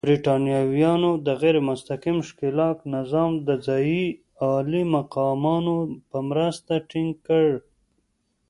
برېټانویانو د غیر مستقیم ښکېلاک نظام د ځايي عالي مقامانو په مرسته ټینګ کړ.